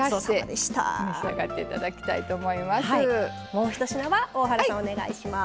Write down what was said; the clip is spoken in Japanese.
もう一品は大原さんお願いします。